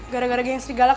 gara gara geng setigala kak